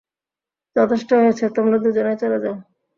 যথেষ্ট হয়েছে, তোমরা দুজনেই চলে যাও।